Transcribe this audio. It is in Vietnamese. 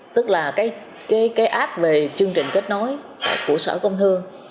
tức là cái app về chương trình kết nối của sở công thương